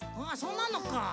あそうなのか。